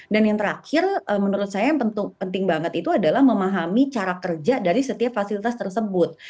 dan yang terakhir menurut saya yang penting banget itu adalah memahami cara kerja dari setiap fasilitas tersebut